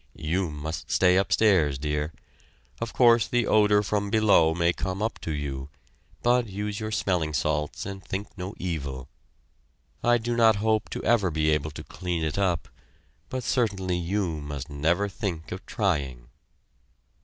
You must stay upstairs, dear. Of course the odor from below may come up to you, but use your smelling salts and think no evil. I do not hope to ever be able to clean it up, but certainly you must never think of trying."